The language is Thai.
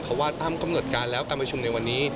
เพราะว่าตามกำหนดการแล้วการประชุมในวันนี้